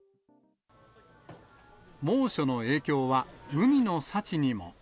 猛暑の影響は海の幸にも。